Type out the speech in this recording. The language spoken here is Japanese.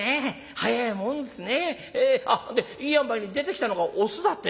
早えもんですね。でいいあんばいに出てきたのがオスだってね」。